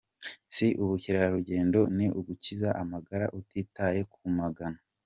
Si ubukerarugendo ni ugukiza amagara utitaye ku magana.